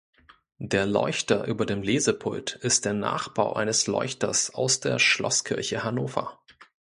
Der Leuchter über dem Lesepult ist der Nachbau eines Leuchters aus der Schlosskirche Hannover.